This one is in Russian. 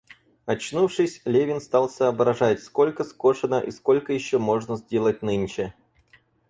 Очнувшись, Левин стал соображать, сколько скошено и сколько еще можно сделать нынче.